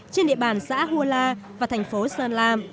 trên địa bàn xã hua la và thành phố sơn la